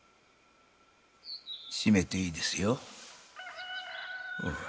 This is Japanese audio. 閉めていいですよ。